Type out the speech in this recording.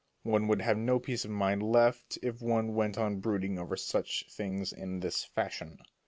One would have no peace of mind left if one went on brooding over such things in this fashion.